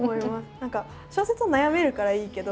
何か小説は悩めるからいいけど。